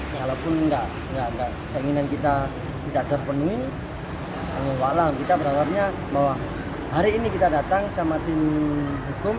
walaupun keinginan kita tidak terpenuhi kita berharapnya bahwa hari ini kita datang sama tim hukum